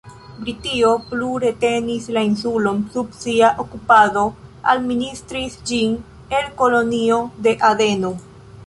Britio plu retenis la insulon sub sia okupado, administris ĝin el Kolonio de Adeno.